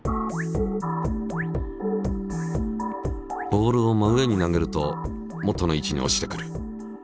ボールを真上に投げると元の位置に落ちてくる。